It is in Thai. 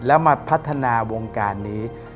แล้วมาพัฒนาวงการนี้